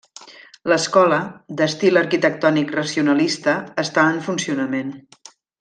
L'escola, d'estil arquitectònic racionalista, està en funcionament.